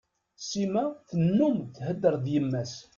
Sima tennum thedder d yemma-s.